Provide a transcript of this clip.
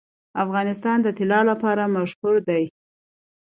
افغانستان د طلا لپاره مشهور دی.